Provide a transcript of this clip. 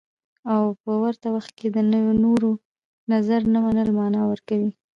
او په ورته وخت کې د نورو نظر نه منل مانا ورکوي.